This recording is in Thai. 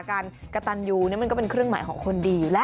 การกระตันยูมันก็เป็นเครื่องหมายของคนดีอยู่แล้ว